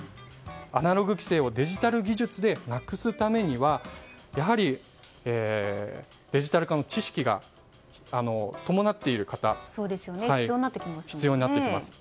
アナログ規制をデジタル技術でなくすためにはやはりデジタル化の知識が伴っている方が必要になってきます。